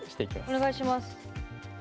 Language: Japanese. お願いします。